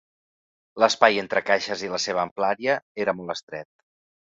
L'espai entre caixes i la seva amplària era molt estret.